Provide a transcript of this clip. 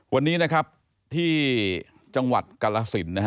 วันนี้นะครับที่จังหวัดกรรลศิลป์